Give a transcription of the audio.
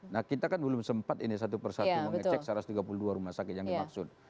nah kita kan belum sempat ini satu persatu mengecek satu ratus tiga puluh dua rumah sakit yang dimaksud